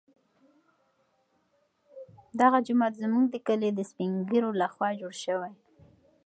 دغه جومات زموږ د کلي د سپین ږیرو لخوا جوړ شوی.